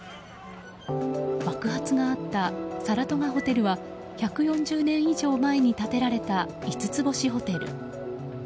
爆発があったサラトガ・ホテルは１４０年以上前に建てられた五つ星ホテル。